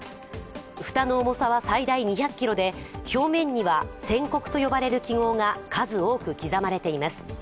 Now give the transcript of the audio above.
蓋の重さは最大２００ｋｇで表面には線刻と呼ばれる記号が数多く刻まれています。